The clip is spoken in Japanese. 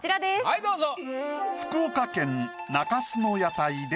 はいどうぞ。